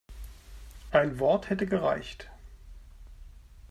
Ein Wort hätte gereicht.